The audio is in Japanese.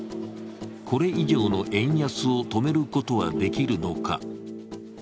これ以上の円安を止めることはできるのか。